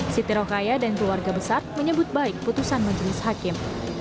siti rokaya dan keluarga besar menyebut baik putusan majelis hakim